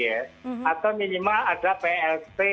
atau minimal ada plt